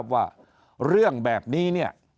ว่าเรื่องแบบนี้เนี่ย